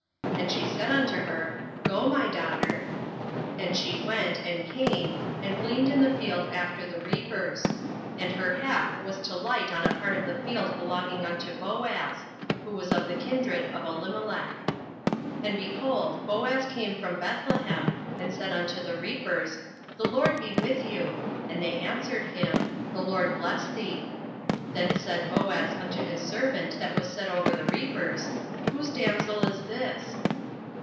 And she said unto her, Go, my daughter. 08:002:003 And she went, and came, and gleaned in the field after the reapers: and her hap was to light on a part of the field belonging unto Boaz, who was of the kindred of Elimelech. 08:002:004 And, behold, Boaz came from Bethlehem, and said unto the reapers, The LORD be with you. And they answered him, The LORD bless thee. 08:002:005 Then said Boaz unto his servant that was set over the reapers, Whose damsel is this?